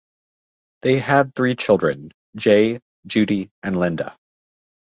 They had three children: Jay, Judy and Linda.